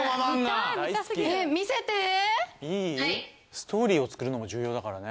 ストーリーを作るのも重要だからね。